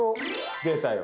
出たよ。